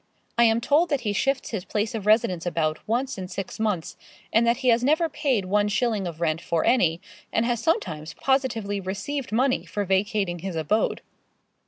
I am told that he shifts his place of residence about once in six months, and that he has never paid one shilling of rent for any, and has sometimes positively received money for vacating his abode.